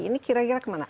ini kira kira kemana